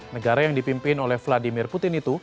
negara yang dipimpin oleh vladimir putin itu